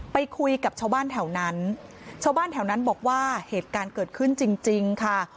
ไปคุยกับชาวบ้านแถวนั้นชาวบ้านแถวนั้นบอกว่าเหตุการณ์เกิดขึ้นจริงค่ะ